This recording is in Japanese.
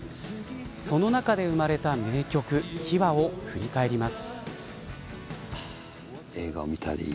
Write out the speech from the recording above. その中で生まれた名曲、秘話を振り返ります。